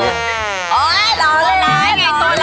มันเป็นผู้แรก